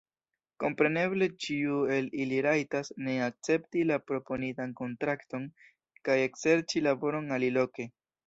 Kompreneble ĉiu el ili rajtas ne akcepti la proponitan kontrakton kaj ekserĉi laboron aliloke.